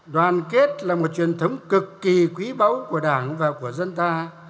đoàn kết là một truyền thống cực kỳ quý báu của đảng và của dân ta